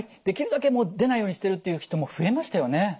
できるだけもう出ないようにしてる」っていう人も増えましたよね。